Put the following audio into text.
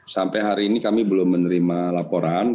sampai hari ini kami belum menerima laporan